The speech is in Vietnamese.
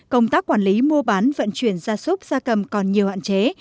công tác quản lý mua bán vận chuyển gia súc gia cầm còn nhiều hạn chế